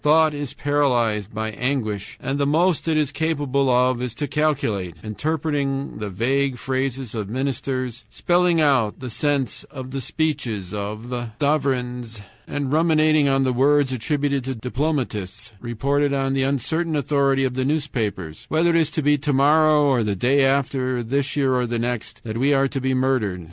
Thought is paralyzed by anguish, and the most it is capable of is to calculate interpreting the vague phrases of ministers, spelling out the sense of the speeches of sovereigns, and ruminating on the words attributed to diplomatists reported on the uncertain authority of the newspapers whether it is to be to morrow or the day after, this year or the next, that we are to be murdered.